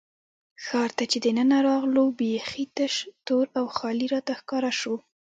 ښار ته چې دننه راغلو، بېخي تش، تور او خالي راته ښکاره شو.